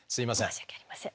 申し訳ありません。